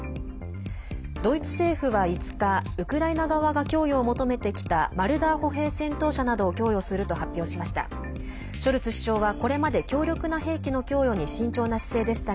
ドイツ政府は５日ウクライナ側が供与を求めてきたマルダー歩兵戦闘車などを供与すると発表しました。